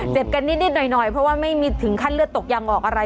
เจ็บกันนิดหน่อยเพราะว่าไม่มีถึงขั้นเลือดตกยังออกอะไร